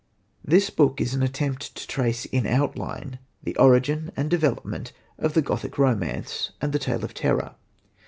This book is an attempt to trace in outline the origin and development of the Gothic romance and the tale of terror.